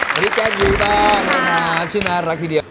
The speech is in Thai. วันนี้แจ๊คอยู่บ้างนะครับชื่อน่ารักทีเดียว